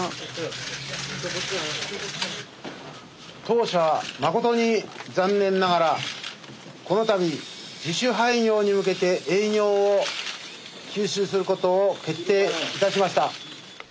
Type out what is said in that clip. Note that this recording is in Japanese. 当社誠に残念ながらこの度自主廃業に向けて営業を休止することを決定いたしました。